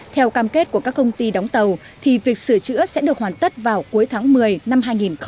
theo cam kết của các công ty đóng tàu thì việc sửa chữa sẽ được hoàn tất vào cuối tháng một mươi năm hai nghìn hai mươi